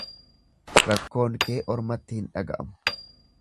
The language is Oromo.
Rakkoon kee ormatti hin dhaga'amu.